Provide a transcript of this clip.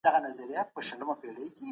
دولتونه د نړیوالو نورمونو درناوی کوي.